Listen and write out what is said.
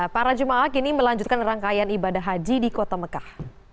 para jemaah kini melanjutkan rangkaian ibadah haji di kota mekah